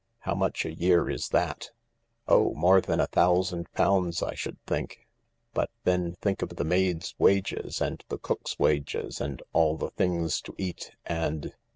How much a year is that ?"" Oh, more than a thousand pounds, I should think. But then think of the maids' wages and the cook's wages and all the things to eat — and